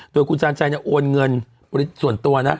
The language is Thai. โดยกุจารใจโอนเงินส่วนตัวนะ